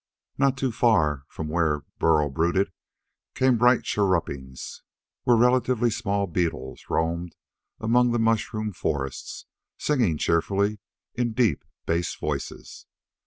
Not too far from where Burl brooded came bright chirrupings where relatively small beetles roamed among the mushroom forests, singing cheerfully in deep bass voices.